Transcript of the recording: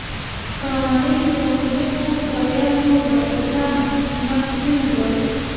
په ماڼۍ کې د مختلفو خدایانو بتان نقش شوي وو.